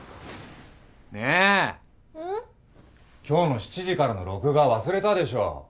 今日の７時からの録画忘れたでしょ